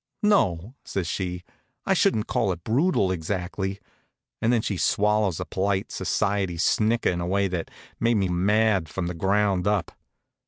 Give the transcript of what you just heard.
"No," says she, "I shouldn't call it brutal, exactly," and then she swallows a polite, society snicker in a way that made me mad from the ground up.